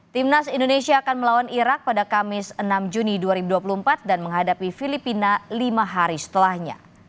timnas indonesia akan melawan irak pada kamis enam juni dua ribu dua puluh empat dan menghadapi filipina lima hari setelahnya